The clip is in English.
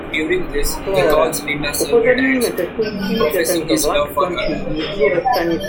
During this, he calls Linda several times, professing his love for her.